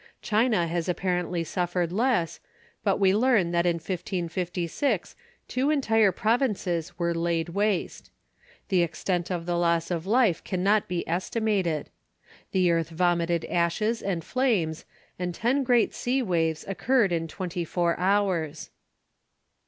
China has apparently suffered less; but we learn that in 1556 two entire provinces were laid waste. The extent of the loss of life can not be estimated. The earth vomited ashes and flames, and ten great sea waves occurred in twenty four hours.